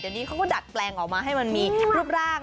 เดี๋ยวนี้เขาก็ดัดแปลงออกมาให้มันมีรูปร่าง